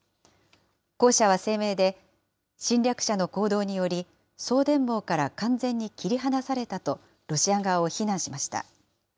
公社は声明で、侵略者の行動により、送電網から完全に切り離されたと、ロシア側を非難しました。